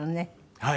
はい。